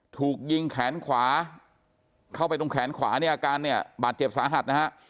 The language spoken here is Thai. ถูกยิงแขนขวาเข้าไปตรงแขนขวาเนี่ยอาการเนี่ยบาดเจ็บสาหัสนะฮะ